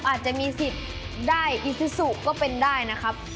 อาจจะมีสิทธิ์ได้อีซูซูก็เป็นได้นะครับ